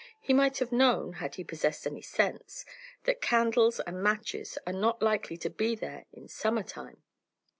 He might have known, had he possessed any sense, that candles and matches are not likely to be there in summer time!